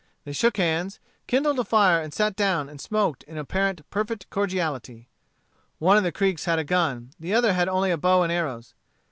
They shook hands, kindled a fire, and sat down and smoked in apparent perfect cordiality. One of the Creeks had a gun. The other had only a bow and arrows.